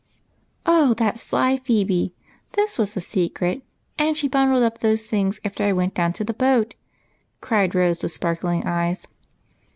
" Oh, that sly Phebe ! This was the secret, and she bundled up tlxose things after I w^ent down to the boat," cried ^ose, with sparkling eyes.